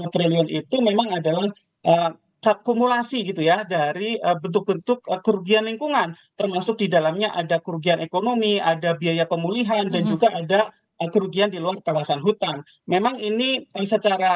kesehatan itu adalah kekurangan ekonomi dan juga kekurangan di luar kawasan hutang memang ini secara